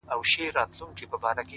ستا سترگي فلسفې د سقراط راته وايي’